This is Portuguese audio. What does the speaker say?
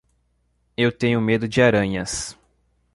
Eu tenho medo de aranhas.